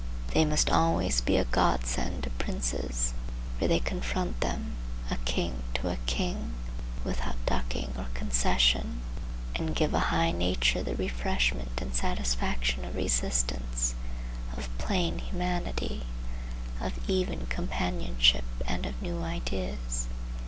They must always be a godsend to princes, for they confront them, a king to a king, without ducking or concession, and give a high nature the refreshment and satisfaction of resistance, of plain humanity, of even companionship and of new ideas.